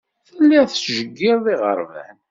Telliḍ tettjeyyireḍ iɣerban.